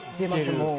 もう。